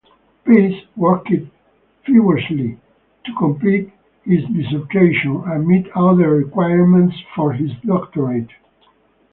Pais worked feverishly to complete his dissertation and meet other requirements for his doctorate.